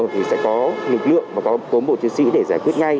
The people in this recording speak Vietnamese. thì sẽ có lực lượng và có cán bộ chiến sĩ để giải quyết ngay